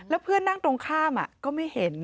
แล้วเพื่อนนั่งตรงข้ามก็ไม่เห็น